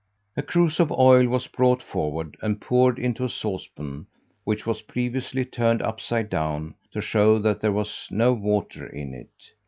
A cruse of oil was brought forward and poured into a saucepan, which was previously turned upside down, to show that there was no water in it.